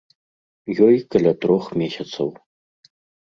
Ёй каля трох месяцаў.